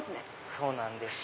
そうなんです。